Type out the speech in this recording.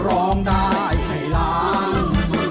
ร้องได้ให้ล้าน